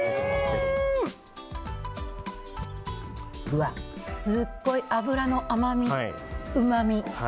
うわ、すごい脂の甘み、うまみ。